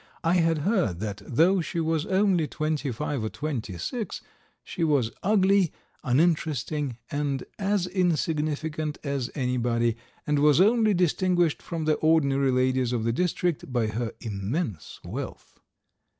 I had heard that, though she was only twenty five or twenty six, she was ugly, uninteresting, and as insignificant as anybody, and was only distinguished from the ordinary ladies of the district by her immense wealth.